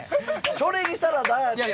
チョレギサラダやって。